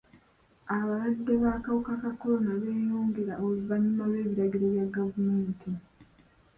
Abalwadde b'akawuka ka kolona beeyongera oluvannyuma lw'ebiragiro bya gavumenti.